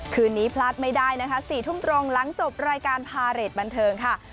คืนนี้พลาดไม่ได้นะคะ๔ทุ่มตรงหลังจบรายการพาเรทบันเทิงค่ะ